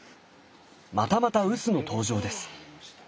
またまた臼の登場です。